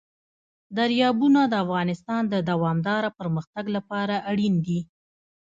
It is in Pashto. دریابونه د افغانستان د دوامداره پرمختګ لپاره اړین دي.